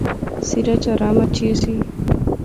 سریچ ارام اچھی ایسی